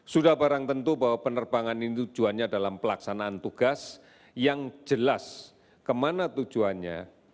sudah barang tentu bahwa penerbangan ini tujuannya dalam pelaksanaan tugas yang jelas kemana tujuannya